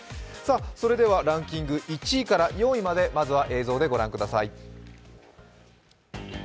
それではランキング１位から４位までまずは映像でご覧ください